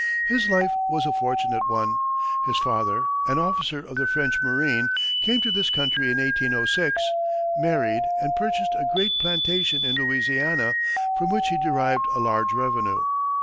His life was a fortunate one. His father, an officer of the French marine, came to this country in 1806, married, and purchased a great plantation in Louisiana, from which he derived a large revenue.